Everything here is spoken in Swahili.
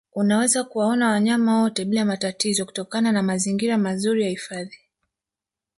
Unaweza kuwaona wanyama wote bila matatizo kutokana na mazingira mazuri ya hifadhi